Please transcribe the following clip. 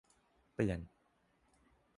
เตือน !